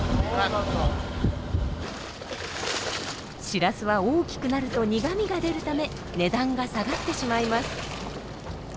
シラスは大きくなると苦みが出るため値段が下がってしまいます。